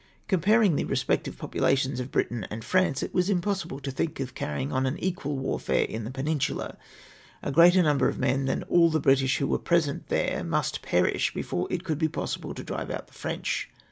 Comparing the respective populations of Britain and France, it was impossible to think of carrying on an equal warfixre in the Peninsula. A greater number of men than all the British who were at present there, must perish before it could be possible to drive out the French.